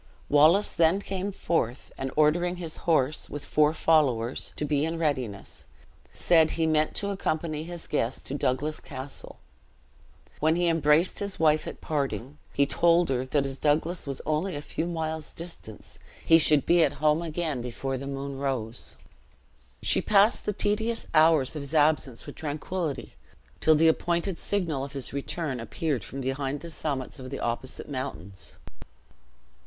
Wallace then came forth, and ordering his horse, with four followers, to be in readiness, said he meant to accompany his guest to Douglas Castle. When he embraced his wife at parting, he told her that as Douglas was only a few miles distant, he should be at home again before the moon rose. She passed the tedious hours of his absence with tranquillity, till the appointed signal of his return appeared from behind the summits of the opposite mountains.